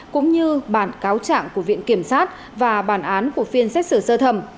cũng như bản cáo trạng của viện kiểm sát và bản án của phiên xét xử sơ thẩm